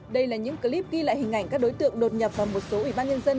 đây là những clip ghi lại hình ảnh các đối tượng đột nhập vào một số ủy ban nhân dân